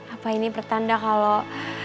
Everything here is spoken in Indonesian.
apa ini pertanda kalau